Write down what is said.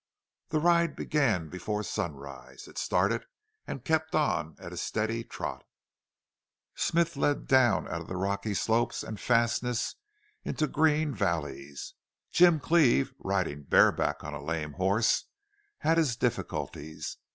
The ride began before sunrise. It started and kept on at a steady trot. Smith led down out of the rocky slopes and fastnesses into green valleys. Jim Cleve, riding bareback on a lame horse, had his difficulties.